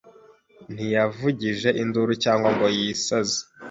ntiyavugije induru cyangwa ngo yisaze